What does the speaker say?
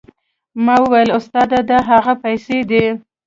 ما وويل استاده دا هغه پيسې دي.